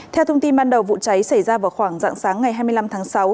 theo thông tin ban đầu vụ cháy xảy ra vào khoảng dạng sáng ngày hai mươi năm tháng sáu